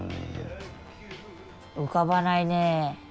浮かばないねえ。